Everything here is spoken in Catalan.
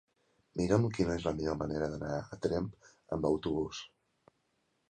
Mira'm quina és la millor manera d'anar a Tremp amb autobús.